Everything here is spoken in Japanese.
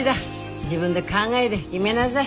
自分で考えで決めなさい。